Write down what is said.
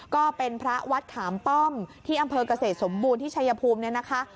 ก็เป็นพระวัดขามป้อมที่อำเภอกเกษตรสมบูรณ์ที่ชายภูมิเนี่ยนะคะ